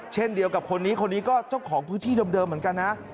เช่นเดียวกับคนนี้คนนี้ก็เจ้าของพื้นที่เดิมเหมือนกันนะ